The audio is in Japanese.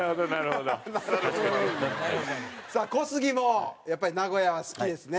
さあ小杉もやっぱり名古屋は好きですね。